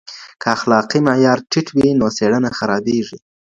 که اخلاقي معیار ټېټ وي نو څېړنه خرابیږي.